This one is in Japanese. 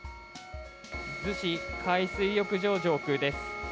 逗子海水浴場上空です。